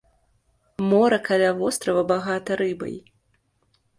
Мора каля вострава багата рыбай.